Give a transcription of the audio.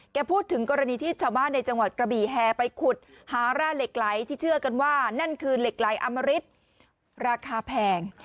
พูดถึงกรณีที่ชาวบ้านในจังหวัดกระบี่แฮไปขุดหาร่าเหล็กไหลที่เชื่อกันว่านั่นคือเหล็กไหลอมริตราคาแพง